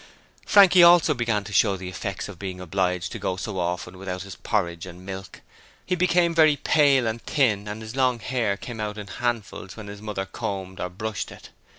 Frankie also began to show the effects of being obliged to go so often without his porridge and milk; he became very pale and thin and his long hair came out in handfuls when his mother combed or brushed it.